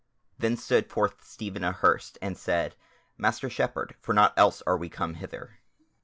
Then stood forth Stephen a Hurst and said, "Master shepherd, for nought else are we come hither."